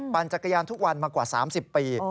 จักรยานทุกวันมากว่า๓๐ปี